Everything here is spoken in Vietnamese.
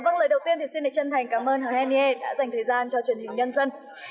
vâng lời đầu tiên thì xin để chân thành cảm ơn hồ hèn nghệ đã dành thời gian cho truyền hình nhân dân